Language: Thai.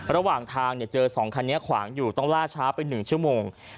ระหว่างทางเจอ๒คันนี้ขวางอยู่ต้องล่าช้าไป๑ชั่วโมง